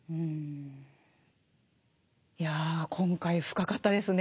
いや今回深かったですね。